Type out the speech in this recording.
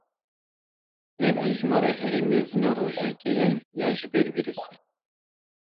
Ev hejmara herî mezin a rojekê ye ya ji ber vîrusê.